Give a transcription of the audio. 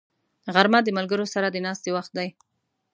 غرمه د ملګرو سره د ناستې وخت دی